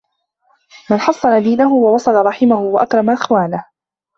مَنْ حَصَّنَ دِينَهُ وَوَصَلَ رَحِمَهُ وَأَكْرَمَ إخْوَانَهُ